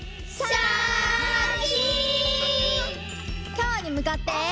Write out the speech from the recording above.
きょうにむかって。